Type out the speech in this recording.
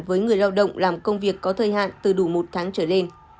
với người lao động làm công việc có thời hạn từ đủ một tháng trở lên